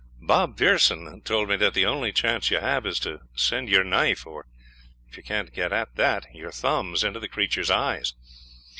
Bob Pearson told me that the only chance you have is to send your knife, or if you can't get at that, your thumbs, into the creature's eyes.